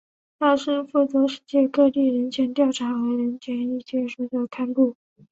它负责世界各地人权调查和人权意见书的刊布。